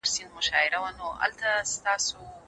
موخه د مطلب رسول دي.